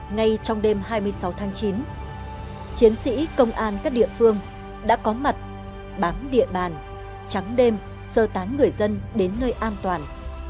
ngay trong đêm hai mươi sáu tháng chín chiến sĩ công an các địa phương đã có mặt bám địa bàn trắng đêm sơ tán người dân đến nơi an toàn